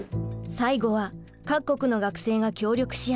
最後は各国の学生が協力し合い